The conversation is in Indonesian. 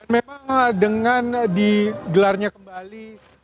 memang dengan digelarnya kembali